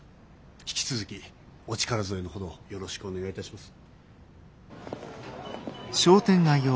引き続きお力添えのほどよろしくお願いいたします。